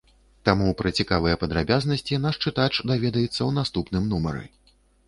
Таму пра цікавыя падрабязнасці наш чытач даведаецца ў наступным нумары.